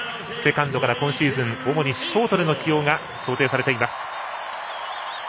セカンドから今シーズン主にショートでの起用が想定されています。